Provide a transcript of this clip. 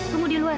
kamu di luar